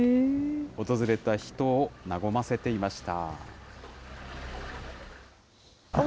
訪れた人を和ませていました。